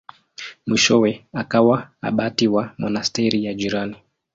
Mwishowe akawa abati wa monasteri ya jirani.